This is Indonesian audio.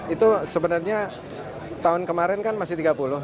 itu sebenarnya tahun kemarin kan masih tiga puluh